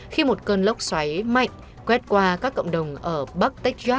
khi một cơn lốc xoáy mạnh quét qua các cộng đồng ở bắc texak